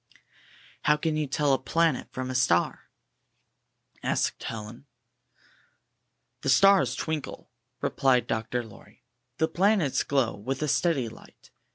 ''How can you tell a planet from a star?" asked Helen. "The stars twinkle," replied Dr. Lorr5\ "The planets glow with a steady light.